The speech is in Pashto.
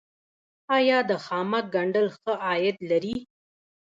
آیا د خامک ګنډل ښه عاید لري؟